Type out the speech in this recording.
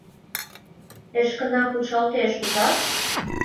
Эшкына кучалтеш, ужат?